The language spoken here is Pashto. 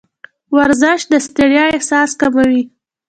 ورزش د ستړیا احساس کموي.